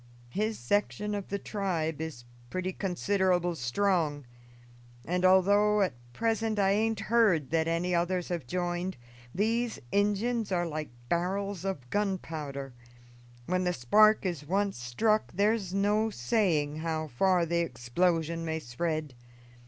His section of the tribe is pretty considerable strong, and although at present I aint heard that any others have joined, these Injuns are like barrels of gunpowder: when the spark is once struck there's no saying how far the explosion may spread.